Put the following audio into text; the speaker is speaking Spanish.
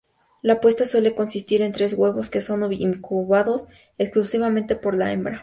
La puesta suele consistir en tres huevos que son incubados exclusivamente por la hembra.